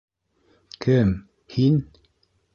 Кем... һин?!